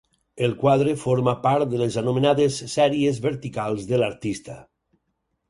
El quadre forma part de les anomenades sèries verticals de l'artista.